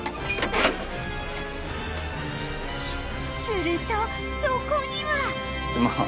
するとそこには